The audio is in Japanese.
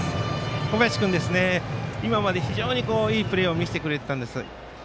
小林君、今まで非常にいいプレーを見せてくれていたんです。